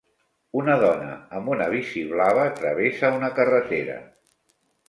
Una dona amb una bici blava travessa una carretera.